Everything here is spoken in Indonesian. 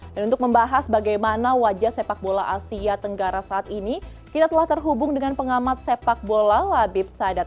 dan untuk membahas bagaimana wajah sepak bola asia tenggara saat ini kita telah terhubung dengan pengamat sepak bola labib sadat